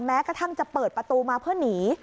แม้กระทั่งจะเปิดประตูมาเพื่อหนี